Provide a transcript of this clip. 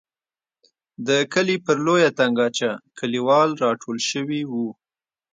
د کلي پر لویه تنګاچه کلیوال را ټول شوي وو.